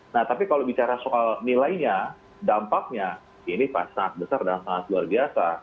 nah tapi kalau bicara soal nilainya dampaknya ini sangat besar dan sangat luar biasa